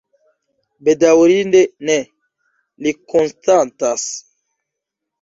Bedaŭrinde ne, li konstatas.